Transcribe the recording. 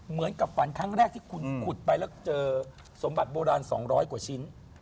เหมือนกับฝันครั้งแรกที่คุณขุดไปแล้วเจอสมบัติโบราณ๒๐๐กว่าชิ้น